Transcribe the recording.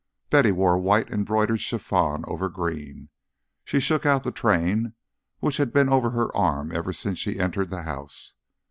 Betty wore a white embroidered chiffon over green; she shook out the train, which had been over her arm ever since she entered the house.